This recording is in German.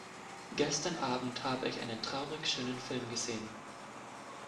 Gestern Abend habe ich einen traurigschönen Film gesehen.